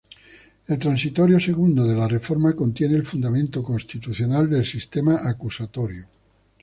El transitorio segundo de la Reforma contiene el fundamento constitucional del sistema acusatorio.